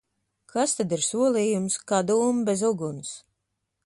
Kas tad ir solījums? Kā dūmi bez uguns!